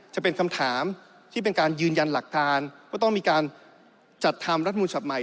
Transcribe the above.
จะเป็นคำถามที่เป็นการยืนยันหลักการว่าต้องมีการจัดทำรัฐมูลฉบับใหม่